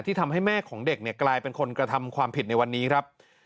ทำให้แม่ของเด็กเนี่ยกลายเป็นคนกระทำความผิดในวันนี้ครับ